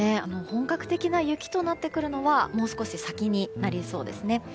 本格的な雪となってくるのはもう少し先になりそうですね。